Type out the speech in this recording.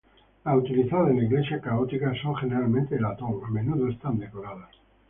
Las utilizadas en la Iglesia católica son generalmente de latón, a menudo están decoradas.